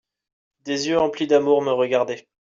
Des yeux emplis d'amour me regardaient.